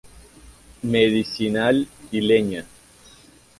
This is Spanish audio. Medicinal y leña.